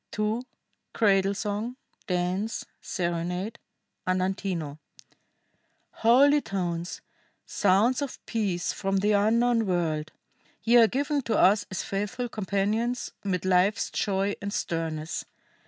[II. CRADLE SONG. DANCE. SERENADE: Andantino] "Holy tones, sounds of peace from the unknown world! Ye are given to us as faithful companions 'mid life's joy and sternness!